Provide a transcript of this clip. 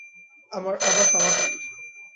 আবার summer camp.